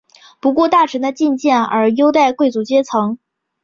不顾大臣的进谏而优待贵族阶层。